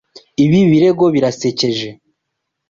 Ibi birego birasekeje.